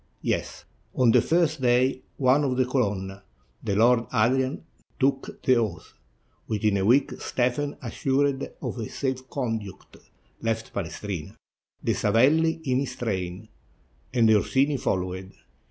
"Yes. On the first day, one of the Colonna, the Lord Adrian, took the oath; within a week, Stephen, assured of safe conduct, left Palestrina, the SaveUi in his train; the Orsini followed.